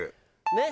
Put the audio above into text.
ねっ。